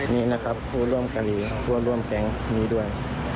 นี่นะครับผู้ร่วมเกาหลีผู้ร่วมแก๊งนี้ด้วย